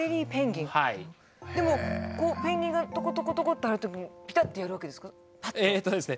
でもこうペンギンがトコトコトコッて歩いてる時にペタッとやるわけですか？